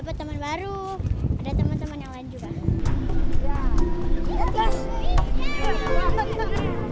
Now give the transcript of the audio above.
ya melestarikan budaya tradisional di tanah air memang menjadi kewajiban siapa saja